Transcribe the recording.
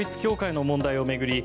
旧統一教会の問題を巡り